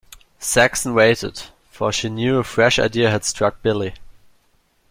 Saxon waited, for she knew a fresh idea had struck Billy.